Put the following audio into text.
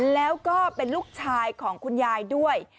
แล้วก็เป็นลูกชายของคุณยายด้วย